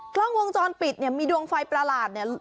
กล้องวงจรปิดเนี่ยมีดวงไฟประหลาดเนี่ย